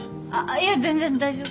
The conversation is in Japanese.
いや全然大丈夫。